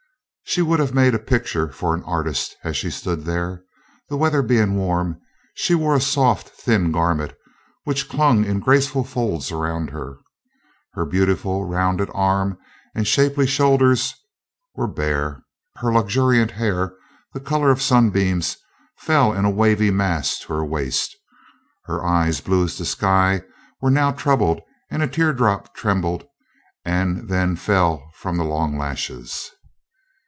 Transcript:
She would have made a picture for an artist as she stood there. The weather being warm, she wore a soft, thin garment, which clung in graceful folds around her. Her beautifully rounded arm and shapely shoulders were bare. Her luxuriant hair, the color of sun beams, fell in a wavy mass to her waist. Her eyes, blue as the sky, were now troubled, and a teardrop trembled and then fell from the long lashes.